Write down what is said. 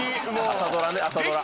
朝ドラね朝ドラ。